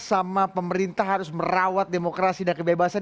sama pemerintah harus merawat demokrasi dan kebebasan